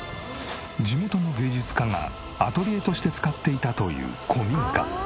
地元の芸術家がアトリエとして使っていたという古民家。